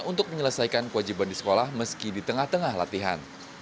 untuk menyelesaikan kewajiban di sekolah meski di tengah tengah latihan